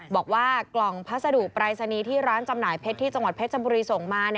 บอกว่ากล่องพัสดุปรายศนีย์ที่ร้านจำหน่ายเพชรที่จังหวัดเพชรบุรีส่งมา